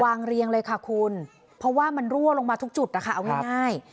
เรียงเลยค่ะคุณเพราะว่ามันรั่วลงมาทุกจุดนะคะเอาง่าย